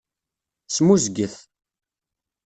Smuzget.